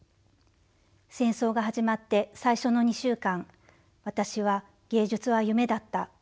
「戦争が始まって最初の２週間私は芸術は夢だった。